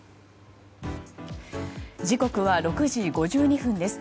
時刻は６時５２分です。